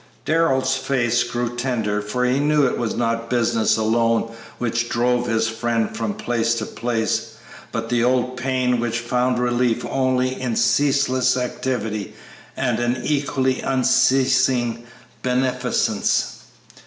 Darrell's face grew tender, for he knew it was not business alone which drove his friend from place to place, but the old pain which found relief only in ceaseless activity and an equally unceasing beneficence.